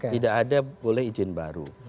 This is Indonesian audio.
tidak ada boleh izin baru